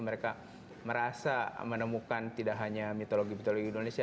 mereka merasa menemukan tidak hanya mitologi mitologi indonesia